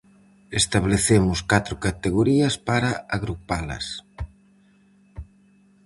Establecemos catro categorías para agrupalas.